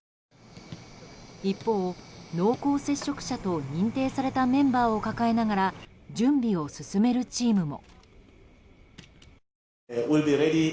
一方、濃厚接触者と認定されたメンバーを抱えながら準備を進めるチームも。